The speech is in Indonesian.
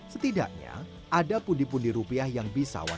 setidaknya ada pundi pundi rupiah yang bisa wati mencari